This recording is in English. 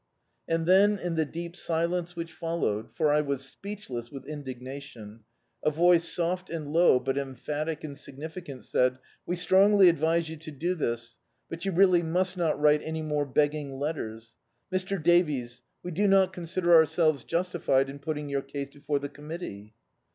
And then in the deep silence which followed, for I was speechless with indi^tation, a voice soft and low, but emphatic and si^iiicant, said — "We strongly advise you to do this, but you really must not write any more beg^g letters. Mr. Davies, we do not consider ourselves justified in putting your case before the committee."